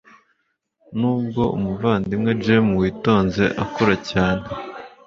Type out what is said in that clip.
nubwo umuvandimwe Jem witonze akura cyane